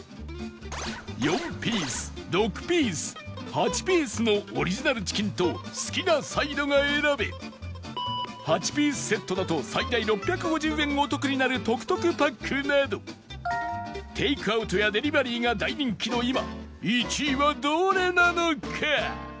４ピース６ピース８ピースのオリジナルチキンと好きなサイドが選べ８ピースセットだと最大６５０円お得になるトクトクパックなどテイクアウトやデリバリーが大人気の今１位はどれなのか？